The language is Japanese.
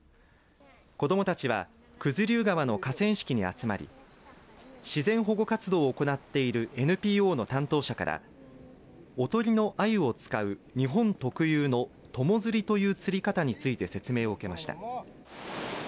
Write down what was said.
子どもたちは九頭竜川の河川敷に集まり自然保護活動を行っているＮＰＯの担当者からおとりのアユを使う日本特有の友釣りという釣り方について説明を受けました。